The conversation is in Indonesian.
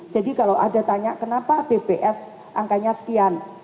jadi kalau ada yang tanya kenapa bps angkanya sekian